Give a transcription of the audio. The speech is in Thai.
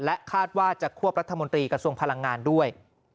คาดว่าจะควบรัฐมนตรีกระทรวงพลังงานด้วย